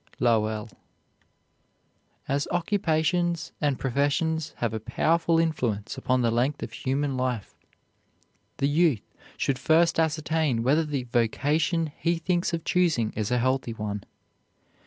LOWELL. As occupations and professions have a powerful influence upon the length of human life, the youth should first ascertain whether the vocation he thinks of choosing is a healthy one.